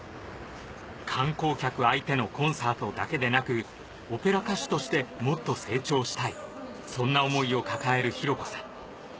観光客相手のコンサートだけでなくオペラ歌手としてもっと成長したいそんな思いを抱える紘子さん